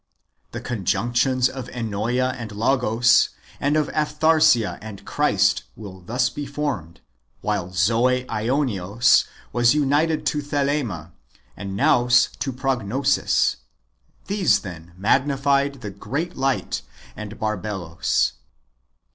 The conjunctions of Ennoea and Logos, and of Aphtharsia and Christ, will thus be formed ; while Zoe Aionios was united to Thelema, and Nous to Prognosis. These, then, magnified the great light and Barbelos.